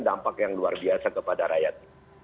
dampak yang luar biasa kepada rakyat